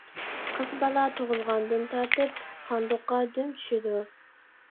قىز بالا تۇغۇلغاندىن تارتىپ ساندۇققا دۈم چۈشىدۇ.